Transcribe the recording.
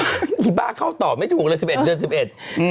ไอ้บ้าเขาตอบไม่ถูกเลย๑๑เดือน๑๑